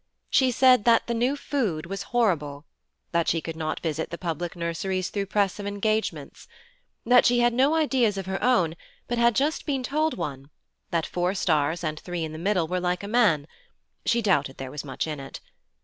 She said that the new food was horrible. That she could not visit the public nurseries through press of engagements. That she had no ideas of her own but had just been told one that four stars and three in the middle were like a man: she doubted there was much in it.